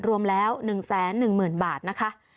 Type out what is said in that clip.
รวมแล้ว๑๑๐๐๐บาทนะคะ